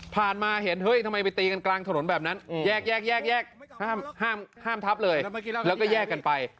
มาเห็นเฮ้ยทำไมไปตีกันกลางถนนแบบนั้นแยกห้ามทับเลยแล้วก็แยกกันไป